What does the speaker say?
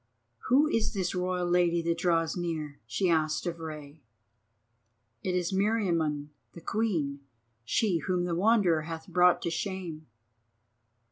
"Who is this royal lady that draws near?" she asked of Rei. "It is Meriamun the Queen; she whom the Wanderer hath brought to shame."